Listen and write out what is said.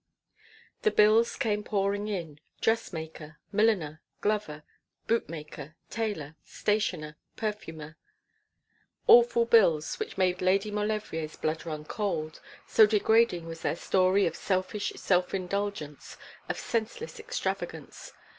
The bills came pouring in; dressmaker, milliner, glover, bootmaker, tailor, stationer, perfumer; awful bills which made Lady Maulevrier's blood run cold, so degrading was their story of selfish self indulgence, of senseless extravagance.